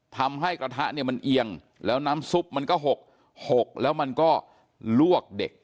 ทำให้กระทะเนี่ยมันเอียงแล้วน้ำซุปมันก็๖๖แล้วมันก็ลวกเด็ก